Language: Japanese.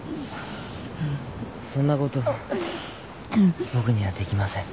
そんなこと僕にはできません。